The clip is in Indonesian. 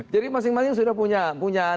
jadi masing masing sudah punya